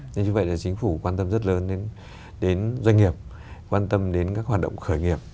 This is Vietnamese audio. nên như vậy là chính phủ quan tâm rất lớn đến doanh nghiệp quan tâm đến các hoạt động khởi nghiệp